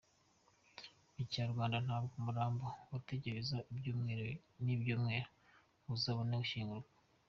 Mu kinyarwanda, ntabwo umurambo wategereza ibyumweru n’ibyumweru ngo uzabone gushyingurwa.